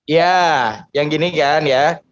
ya yang gini kan ya